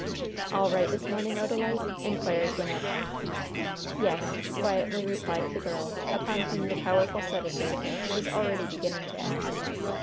"All right this morning, Odalite?" inquired Wynnette. "Yes," quietly replied the girl, upon whom the powerful sedative was already beginning to act.